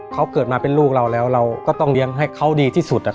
เขาเกิดมาเป็นลูกเราแล้วเราก็ต้องเลี้ยงให้เขาดีที่สุด